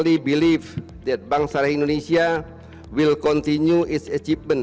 saya sangat yakin bank syariah indonesia akan terus berkembang